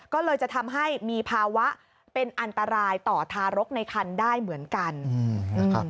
ก็เลยจะทำให้มีภาวะเป็นอันตรายต่อทารกในคันได้เหมือนกันอืม